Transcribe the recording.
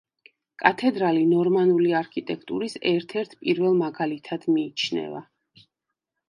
კათედრალი ნორმანული არქიტექტურის ერთ-ერთ პირველ მაგალითად მიიჩნევა.